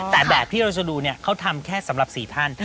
แต่แบบที่เราจะดูเนี่ยเขาทำแค่สำหรับ๔ท่าน